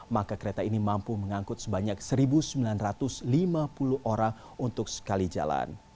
maka kereta ini mampu mengangkut sebanyak satu sembilan ratus lima puluh orang untuk sekali jalan